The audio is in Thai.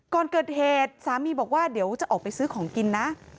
ก่อนเกิดเหตุสามีบอกว่าเดี๋ยวจะออกไปซื้อของกินนะ